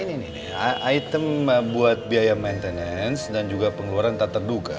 ini item buat biaya maintenance dan juga pengeluaran tak terduga